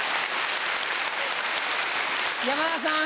山田さん